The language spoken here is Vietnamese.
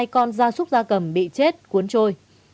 ba bốn trăm bốn mươi hai con da súc da cầm bị chết cuốn trôi